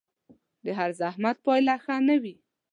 د هر زحمت پايله ښه نه وي